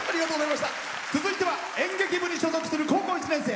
続いては演劇部に所属する高校１年生。